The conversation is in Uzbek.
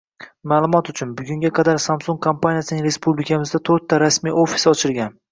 Maʼlumot uchun, bugunga qadar “Samsung” kompaniyasining respublikamizda to‘rtta rasmiy ofisi ochilgan.